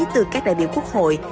từ các đại biểu quốc hội